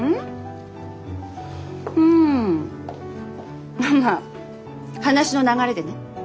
うんまあ話の流れでね。